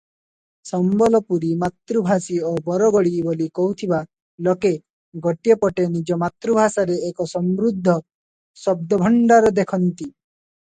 ସମ୍ବଲପୁରୀ ମାତୃଭାଷୀ ଓ ବରଗଡ଼ୀ ବୋଲି କହୁଥିବା ଲୋକେ ଗୋଟିଏ ପଟେ ନିଜ ମାତୃଭାଷାରେ ଏକ ସମୃଦ୍ଧ ଶବ୍ଦଭଣ୍ଡାର ଦେଖନ୍ତି ।